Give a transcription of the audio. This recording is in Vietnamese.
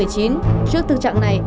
trước thực trạng này